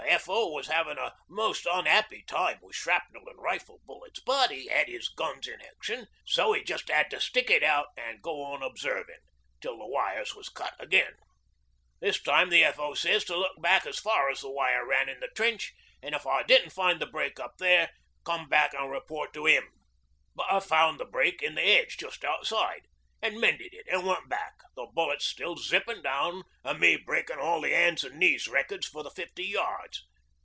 The F.O. was 'avin' a most unhappy time with shrapnel an' rifle bullets, but 'e 'ad 'is guns in action, so 'e just 'ad to stick it out an' go on observin', till the wires was cut again. This time the F.O. sez to look back as far as the wire ran in the trench, an' if I didn't find the break up to there come back an' report to 'im. But I found the break in the hedge jus' outside, an' mended it an' went back, the bullets still zipping down an' me breakin' all the hands an' knees records for the fifty yards.